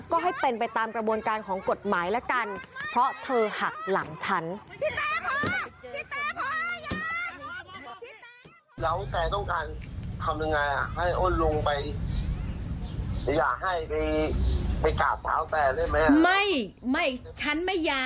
ก็ให้เป็นไปตามกระบวนการของกฎหมายละกันเพราะเธอหักหลังฉัน